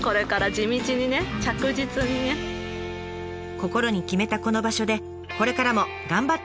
心に決めたこの場所でこれからも頑張って！